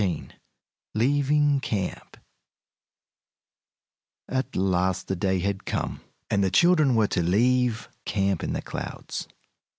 XV LEAVING CAMP At last the day had come, and the children were to leave Camp in the Clouds.